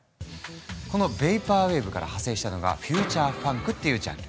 このヴェイパーウェーブから派生したのがフューチャーファンクっていうジャンル。